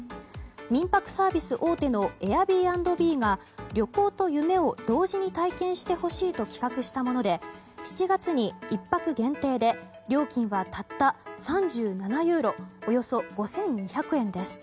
民泊サービス大手のエアビーアンドビーが旅行と夢を同時に体験してほしいと企画したもので７月に１泊限定で料金はたった３７ユーロ＝およそ５２００円です。